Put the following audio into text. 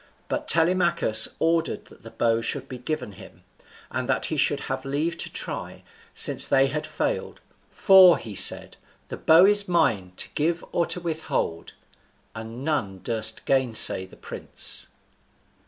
But Telemachus ordered that the bow should be given him, and that he should have leave to try, since they had failed; "for," he said, "the bow is mine, to give or to withhold;" and none durst gainsay the prince.